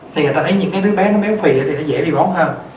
thì người ta thấy những cái đứa bé nó béo phì thì nó dễ bị bóng hơn